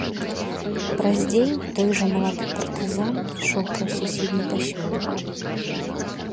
Праз дзень той жа малады партызан ішоў праз суседні пасёлак.